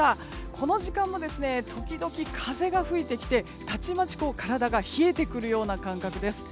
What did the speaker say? この時間も時々、風が吹いてきてたちまち体が冷えてくるような感覚です。